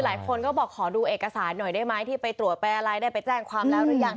หลายคนก็บอกขอดูเอกสารหน่อยได้ไหมที่ไปตรวจไปอะไรได้ไปแจ้งความแล้วหรือยัง